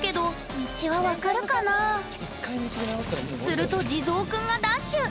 すると地蔵くんがダッシュ！